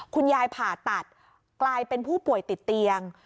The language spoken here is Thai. ผ่าตัดกลายเป็นผู้ป่วยติดเตียง